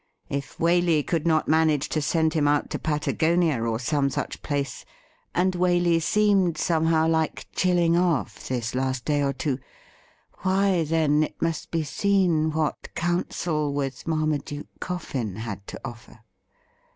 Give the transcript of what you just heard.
If Waley could not manage to send him out to Patagonia or some such place — and Waley seemed, somehow, like chilling off this last day or two — why, then, it must be seen what counsel with Marmaduke Coffin had to offer.